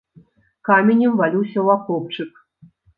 Каменем валюся ў акопчык.